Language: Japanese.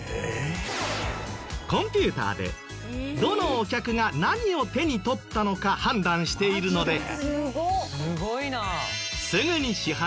コンピューターでどのお客が何を手に取ったのか判断しているので。